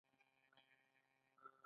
د میوې ټولولو لپاره به یو ځای تلل.